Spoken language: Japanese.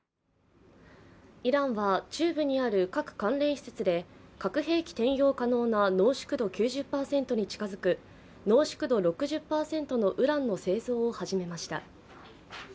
イランは中部にある核関連施設で核兵器転用可能な濃縮度９０％に近づく濃縮度６０％のウランの製造を始めました。